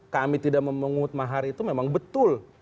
kami tidak memungut mahar itu memang betul